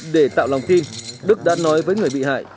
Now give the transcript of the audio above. để tạo lòng tin đức đã nói với người bị hại